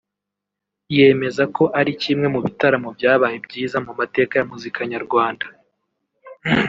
yemeza ko ari kimwe mu bitaramo byabaye byiza mu mateka ya muzika nyarwanda